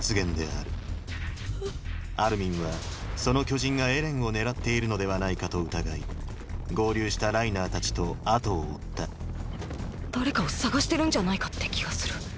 アルミンはその巨人がエレンを狙っているのではないかと疑い合流したライナーたちと後を追った誰かを捜してるんじゃないかって気がする。